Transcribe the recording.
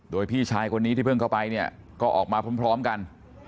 โดยพี่ชายคนนี้ที่เพิ่งเข้าไปเนี่ยก็ออกมาพร้อมกัน